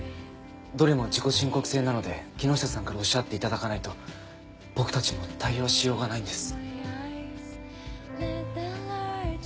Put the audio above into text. どれも自己申告制なので木下さんからおっしゃっていただかないと僕たちも対応しようがないんです。